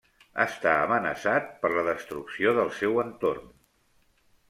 Està amenaçat per la destrucció del seu entorn.